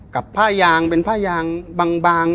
กับผ้ายางเป็นผ้ายางบาง